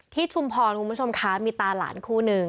ชุมพรคุณผู้ชมคะมีตาหลานคู่หนึ่ง